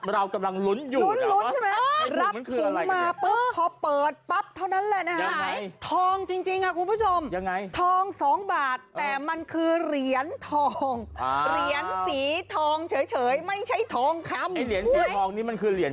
เรากำลังลุ้นอยู่นะว่าไอ้ถุงมันคืออะไรกันเนี่ย